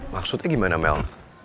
maksudnya gimana mel